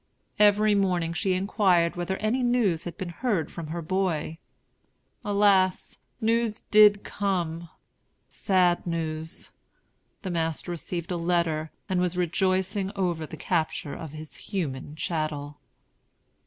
Every morning she inquired whether any news had been heard from her boy. Alas! news did come, sad news. The master received a letter, and was rejoicing over the capture of his human chattel.